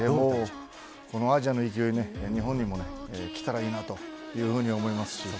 このアジアの勢い日本にも来たらいいなと思います。